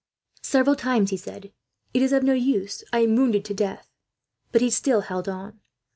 Several times he said: "It is of no use; I am wounded to death!" but he still held on.